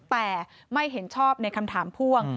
แต่ไม่เห็นชอบในคำถามพ่วง